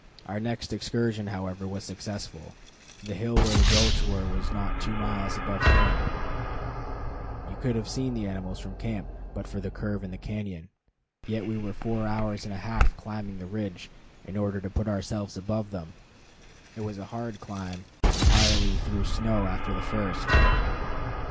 Our next excursion, however, was successful. The hill where the goats were was not two miles above camp, you could have seen the animals from camp but for the curve in the cañon, yet we were four hours and a half climbing the ridge, in order to put ourselves above them. It was a hard climb, entirely through snow after the first.